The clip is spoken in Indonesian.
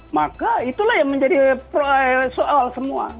maka itulah yang menjadi soal semua